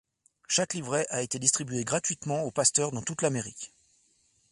Chaque livret a été distribué gratuitement aux pasteurs dans toute l'Amérique.